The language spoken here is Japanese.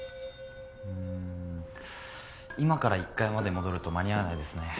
ん今から１階まで戻ると間に合わないですね。